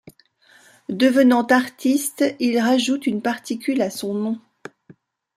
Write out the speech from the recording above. Devenant artiste, il rajoute une particule à son nom.